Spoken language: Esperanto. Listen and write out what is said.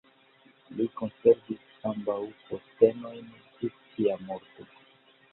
Li konservis ambaŭ postenojn ĝis sia morto.